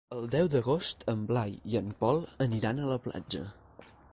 El deu d'agost en Blai i en Pol aniran a la platja.